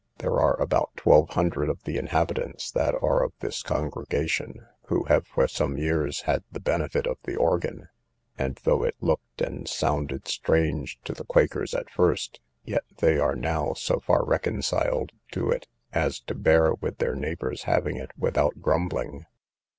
There are about twelve hundred of the inhabitants that are of this congregation, who have for some years had the benefit of the organ; and though it looked and sounded strange to the quakers at first, yet they are now so far reconciled to it, as to bear with their neighbours having it without grumbling.